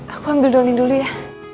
aku ambil dongin dulu ya